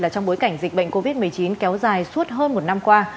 trong bối cảnh dịch bệnh covid một mươi chín kéo dài suốt hơn một năm qua